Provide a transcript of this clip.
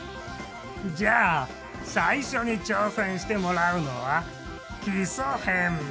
じゃあ最初に挑戦してもらうのは基礎編。